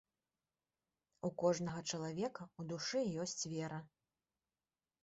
У кожнага чалавека ў душы ёсць вера.